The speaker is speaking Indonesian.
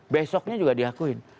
besoknya juga diakuin